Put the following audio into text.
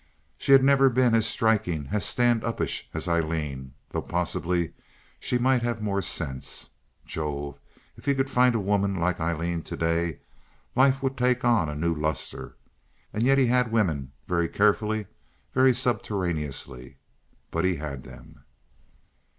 She had never been as striking, as stand upish as Aileen, though possibly she might have more sense. Jove! if he could find a woman like Aileen to day. Life would take on a new luster. And yet he had women—very carefully, very subterraneously. But he had them.